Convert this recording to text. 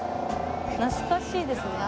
懐かしいですね。